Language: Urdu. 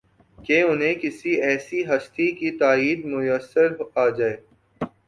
کہ انہیں کسی ایسی ہستی کی تائید میسر آ جائے